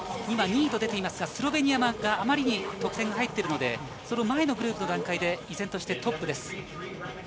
今、２位と出ていましたがスロベニアが、あまりに得点が入っているのでその前のグループの段階で依然としてトップです。